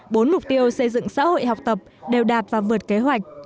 bốn mục tiêu xây dựng xã hội học tập đều đạt và vượt kế hoạch